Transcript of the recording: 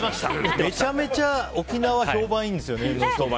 めちゃめちゃ沖縄評判いいんですよね。